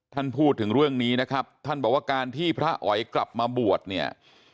ท่านพูดถึงเรื่องนี้นะครับท่านบอกว่าการที่พระอ๋อยกลับมาบวชเนี่ย